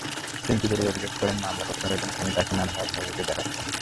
পিংকি বড়ুয়া অভিযোগ করেন, মামলা প্রত্যাহারের জন্য স্বামী তাঁকে নানাভাবে ভয়ভীতি দেখাচ্ছেন।